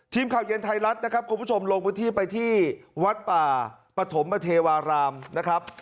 ทีมข่าวเย็นไทยรัฐนะครับคุณผู้ชมลงพื้นที่ไปที่วัดป่าปฐมเทวารามนะครับ